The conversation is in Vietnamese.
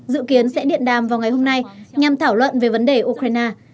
dự kiến sẽ điện đàm vào ngày hôm nay nhằm thảo luận về vấn đề ukraine